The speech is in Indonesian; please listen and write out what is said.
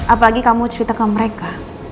apalagi kamu ceritakan mereka